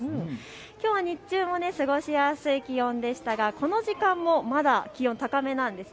きょう日中は過ごしやすい気温でしたがこの時間も気温、高めなんです。